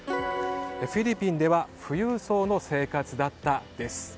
フィリピンでは富裕層の生活だったです。